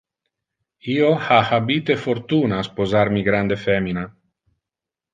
Io ha habite fortuna a sposar mi grande femina.